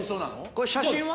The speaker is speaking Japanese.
これ写真は？